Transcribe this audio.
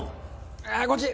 ああーこっち！